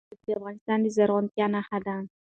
خاوره د افغانستان د زرغونتیا نښه ده.